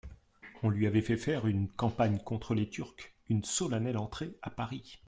On lui avait fait faire une campagne contre les Turcs, une solennelle entrée à Paris.